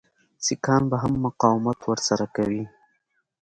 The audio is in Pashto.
سیکهان به هم مقاومت ورسره کوي.